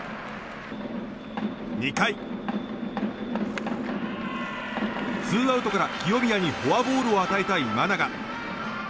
２回、ツーアウトから清宮にフォアボールを与えた今永。